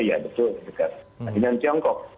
ya betul dengan tiongkok